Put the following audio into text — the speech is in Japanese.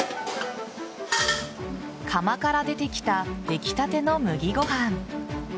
釜から出てきた出来たての麦ご飯。